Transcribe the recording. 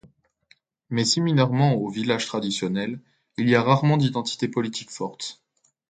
Mais similairement aux villages traditionnels, il y a rarement d'identité politique forte.